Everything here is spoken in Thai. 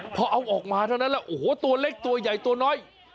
พอเอาออกมาเท่านั้นแหละโอ้โหตัวเล็กตัวใหญ่ตัวน้อย